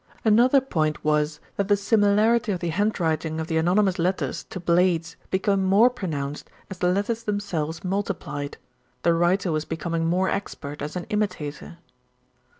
"Another point was that the similarity of the handwriting of the anonymous letters to Blade's became more pronounced as the letters themselves multiplied. The writer was becoming more expert as an imitator."